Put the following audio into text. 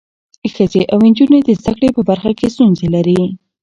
ښځې او نجونې د زده کړې په برخه کې ستونزې لري.